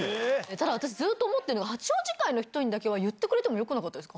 ただ私、ずっと思ってるのが、八王子会の人にだけは言ってくれてもよくなかったですか？